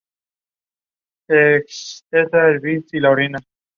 Se utiliza como medicamento que se emplea como tratamiento contra la sarna.